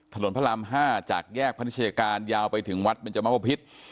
ถนนพระราม๕จากแยกพนิชยาการยาวไปถึงวัดเบนจมวพิษ